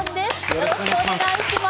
よろしくお願いします。